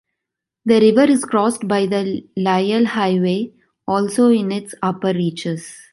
The river is crossed by the Lyell Highway, also in its upper reaches.